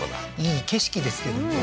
いい景色ですけどね。